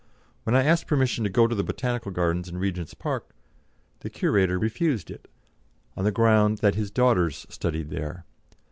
When I asked permission to go to the Botanical Gardens in Regent's Park the curator refused it, on the ground that his daughters studied there.